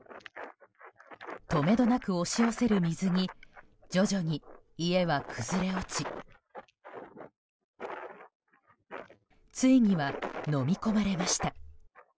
とめどなく押し寄せる水に徐々に家は崩れ落ちついには、のみ込まれました。